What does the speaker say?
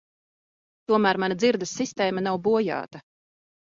Tomēr mana dzirdes sistēma nav bojāta.